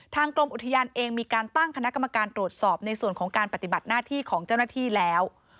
กรมอุทยานเองมีการตั้งคณะกรรมการตรวจสอบในส่วนของการปฏิบัติหน้าที่ของเจ้าหน้าที่แล้ว